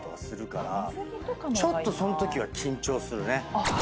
ちょっとそんときは緊張するね。